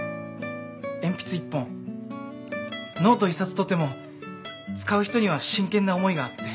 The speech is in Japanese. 鉛筆１本ノート１冊とっても使う人には真剣な思いがあって。